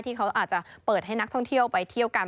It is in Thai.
ที่เขาอาจจะเปิดให้นักท่องเที่ยวไปเที่ยวกัน